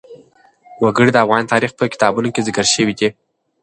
وګړي د افغان تاریخ په کتابونو کې ذکر شوی دي.